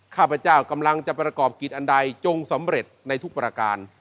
ข้าพเจ้ากำลังจะประกอบกิจอันใดจงสำเร็จในทุกประการ